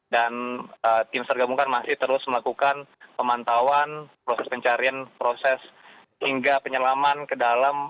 dan tim sargebungan masih terus melakukan pemantauan proses pencarian proses hingga penyelaman ke dalam